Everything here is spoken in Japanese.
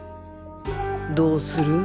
どうする？